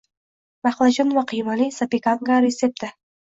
Baqlajon va qiymali zapekanka retsepti